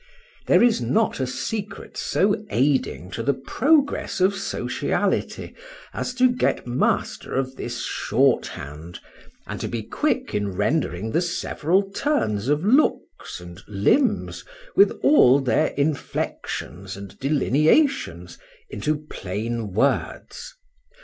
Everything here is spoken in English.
There is not a secret so aiding to the progress of sociality, as to get master of this short hand, and to be quick in rendering the several turns of looks and limbs with all their inflections and delineations, into plain words.